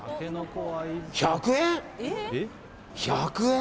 １００円？